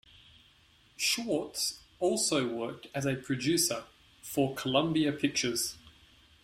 Schwartz also worked as a producer, for Columbia Pictures.